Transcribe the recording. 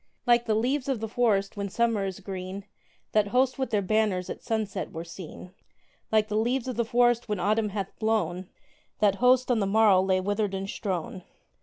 Like the leaves of the forest when Summer is green, That host with their banners at sunset were seen: Like the leaves of the forest when Autumn hath blown, That host on the morrow lay withered and strown.